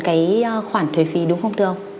cái khoản thuế phí đúng không thưa ông